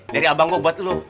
dari abang gua buat lu